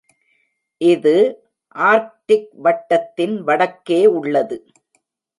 இது ஆர்க்டிக் வட்டத்தின் வடக்கே உள்ளது.